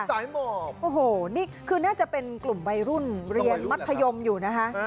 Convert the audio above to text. สายหมอกโอ้โหนี่คือน่าจะเป็นกลุ่มวัยรุ่นเรียนมัธยมอยู่นะคะ